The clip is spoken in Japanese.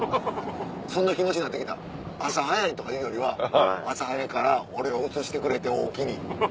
そんな気持ちになって来た「朝早い」とかいうよりは「朝早くから俺を映してくれておおきに」。